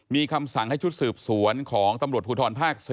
มีคำสั่งให้ชุดสืบสวนของตำรวจภูทรภาค๔